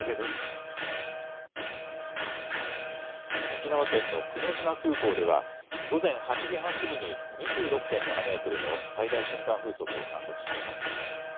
沖縄県の久米島空港では午前８時半過ぎに２６．７メートルの最大瞬間風速を観測しました。